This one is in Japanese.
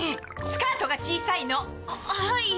スカートが小さいの！ははい。